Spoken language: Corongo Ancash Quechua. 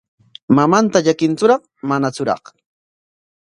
¿Mamanta llakintsuraq manatsuraq?